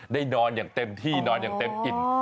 นอนอย่างเต็มที่นอนอย่างเต็มอิ่ม